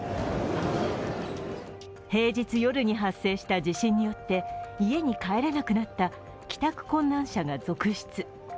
平日夜に発生した地震によって家に帰れなくなった帰宅困難者が続出。